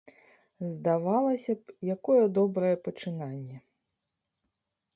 Здавалася б, якое добрае пачынанне.